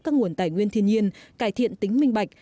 các nguồn tài nguyên thiên nhiên cải thiện tính minh bạch